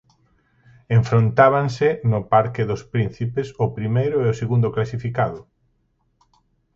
Enfrontábanse no Parque dos Príncipes o primeiro e o segundo clasificado.